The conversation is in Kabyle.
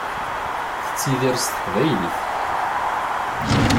Tettidir s teqbaylit.